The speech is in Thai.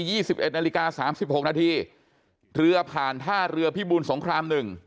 ี่สิบเอ็ดนาฬิกาสามสิบหกนาทีเรือผ่านท่าเรือพิบูลสงครามหนึ่ง